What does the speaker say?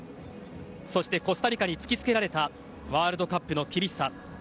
そしてコスタリカに突き付けられたワールドカップの厳しさ。